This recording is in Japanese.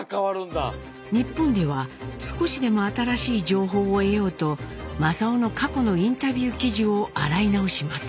日本では少しでも新しい情報を得ようと正雄の過去のインタビュー記事を洗い直します。